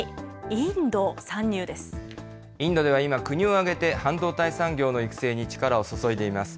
インドでは今、国を挙げて半導体産業の育成に力を注いでいます。